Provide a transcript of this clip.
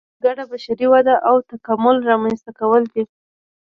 ګډه بشري وده او تکامل رامنځته کول دي.